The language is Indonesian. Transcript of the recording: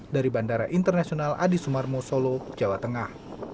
dari bandara internasional adi sumar mosolo jawa tengah